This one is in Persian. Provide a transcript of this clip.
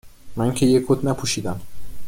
من که یه کت نپوشیدم